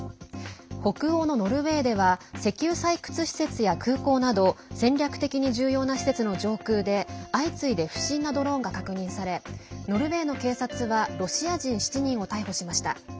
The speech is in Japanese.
北欧のノルウェーでは石油採掘施設や空港など戦略的に重要な施設の上空で相次いで不審なドローンが確認されノルウェーの警察はロシア人７人を逮捕しました。